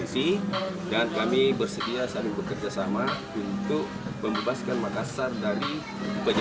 kita mau tahu dulu kenapa dia komunikasi dengan suppliernya